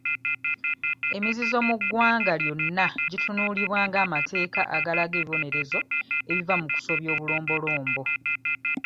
Emizizo mu ggwanga lyonna gitunuulirwa ng'amateeka agalaga ebibonerezo ebiva mu kusobya obulombolombo.